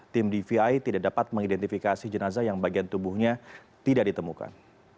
tim dvi tidak dapat mengidentifikasi jenazah yang bagian tubuhnya tidak ditemukan